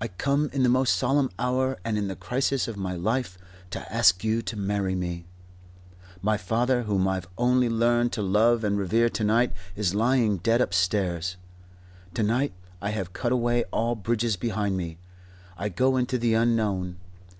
"I come in the most solemn hour and in the crisis of my life to ask you to marry me. My father, whom I've only learned to love and revere to night, is lying dead upstairs. To night I have cut away all bridges behind me. I go into the unknown.